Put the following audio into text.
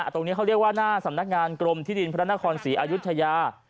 ตรงนี้เขาเรียกว่าหน้าสำนักงานกรมที่ดินพระนครศรีอายุทยา